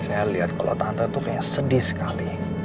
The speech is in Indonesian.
gue ngeliat kalo tante tuh kayaknya sedih sekali